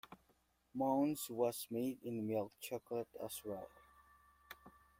Mounds was made in milk chocolate, as well.